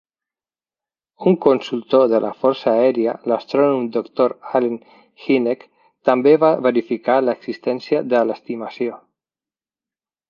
Un consultor de la Força Aèria, l'astrònom Doctor Allen Hynek, també va verificar l'existència de "l'estimació".